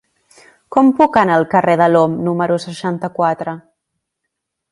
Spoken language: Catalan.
Com puc anar al carrer de l'Om número seixanta-quatre?